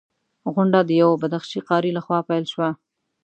غونډه د یوه بدخشي قاري لخوا پیل شوه.